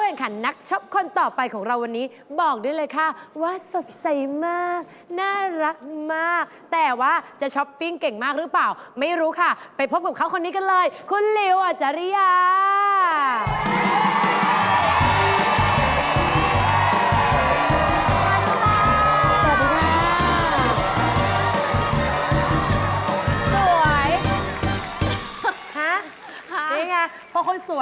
วันนี้บอกด้วยเลยค่ะว่าสดใสมากน่ารักมากแต่ว่าจะช้อปปิ้งเก่งมากหรือเปล่าไม่รู้ค่ะไปพบกับเขาคนนี้กันเลยคุณลิวอาจารยา